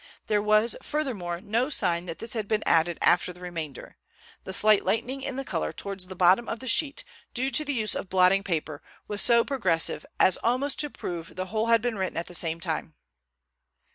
There was, furthermore, no sign that this had been added after the remainder. The slight lightening in the color towards the bottom of the sheet, due to the use of blotting paper, was so progressive as almost to prove the whole had been written at the same time.